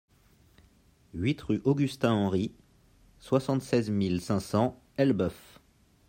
huit rue Augustin Henry, soixante-seize mille cinq cents Elbeuf